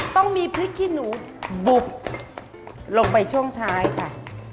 ต้องมีพริกขี้หนูบุบลงไปช่วงท้ายค่ะ